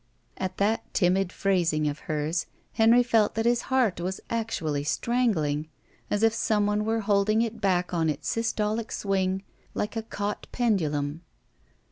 At that timid phrasing of hers Henry felt that his heart was actually strangling, as if some one were holding it back on its systolic swing, Uke a caught pendulum.